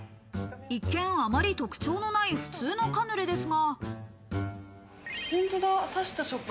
一見、あまり特徴のない普通のカヌレですが。